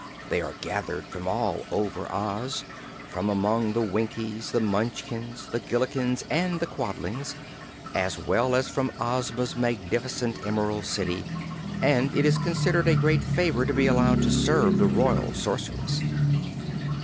They are gathered from all over Oz, from among the Winkies, the Munchkins, the Gillikins and the Quadlings, as well as from Ozma's magnificent Emerald City, and it is considered a great favor to be allowed to serve the Royal Sorceress.